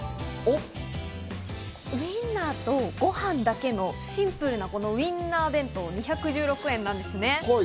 ウインナーとご飯だけのシンプルなウインナー弁当、２１６円なんです。